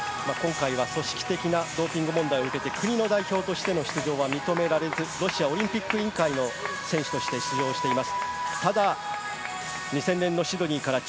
今回は組織的なドーピング問題を受けて、国の代表としての出場は認められず、ロシアオリンピック委員会の選手として出場しています。